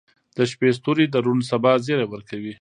• د شپې ستوري د روڼ سبا زیری ورکوي.